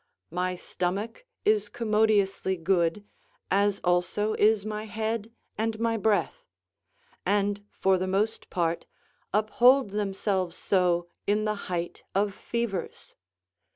My stomach is commodiously good, as also is my head and my breath; and, for the most part, uphold themselves so in the height of fevers.